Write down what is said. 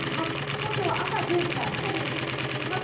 投票は朝１０時からすでに受け付けています。